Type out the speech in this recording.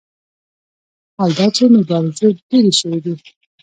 حال دا چې مبارزې ډېرې شوې دي.